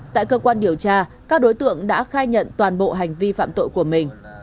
tại cơ quan điều tra các đối tượng đã khai nhận toàn bộ hành vi phạm tội của mình